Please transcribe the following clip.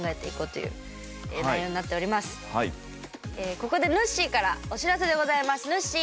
ここで、ぬっしーからお知らせでございます、ぬっしー。